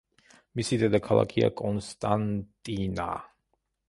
მისი დედაქალაქია კონსტანტინა.